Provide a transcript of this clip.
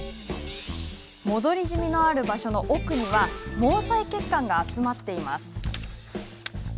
戻りジミのある場所の奥には毛細血管が集まっています。